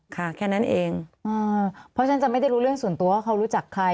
แค่นั้นเองเพราะฉะนั้นจะไม่ได้รู้เรื่องส่วนตัวว่าเขารู้จักใคร